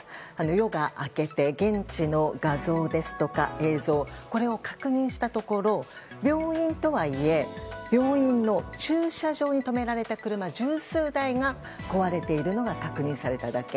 夜が明けて現地の画像ですとか映像これを確認したところ病院とはいえ病院の駐車場に止められた車十数台が壊れているのが確認されただけ。